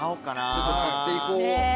ちょっと買っていこう。